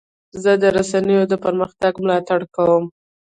زه د رسنیو د پرمختګ ملاتړ کوم.